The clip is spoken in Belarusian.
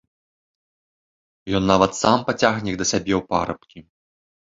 Ён нават сам пацягне іх да сябе ў парабкі.